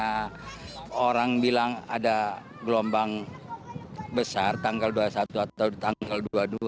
karena orang bilang ada gelombang besar tanggal dua puluh satu atau tanggal dua puluh dua